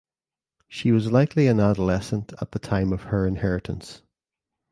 She was likely an adolescent at the time of her inheritance.